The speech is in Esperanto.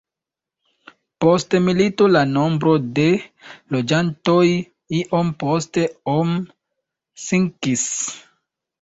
Post milito la nombro de loĝantoj iom post om sinkis.